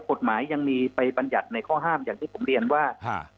กฎหมายยังมีไปบรรยัติในข้อห้ามอย่างที่ผมเรียนว่า